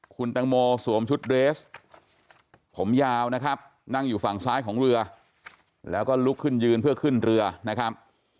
คุณตังโมสวมชุดเรสผมยาวนะครับนั่งอยู่ฝั่งซ้ายของเรือแล้วก็ลุกขึ้นยืนเพื่อขึ้นเรือนะครับ